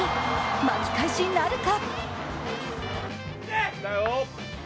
巻き返しなるか。